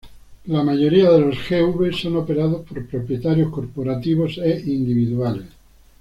La mayoría de los G-V son operados por propietarios corporativos e individuales.